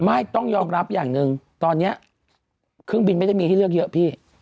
ไม่ต้องยอมรับอย่างหนึ่งตอนนี้เครื่องบินไม่ได้มีให้เลือกเยอะพี่